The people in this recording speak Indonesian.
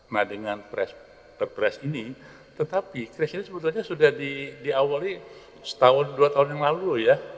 nah dengan perpres ini tetapi kris ini sebetulnya sudah diawali setahun dua tahun yang lalu ya